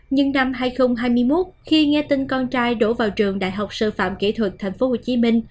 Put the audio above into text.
nhưng năm hai nghìn hai mươi một khi nghe tin con trai đổ vào trường đại học sư phạm kỹ thuật tp hcm